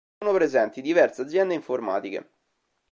Sono presenti diverse aziende informatiche.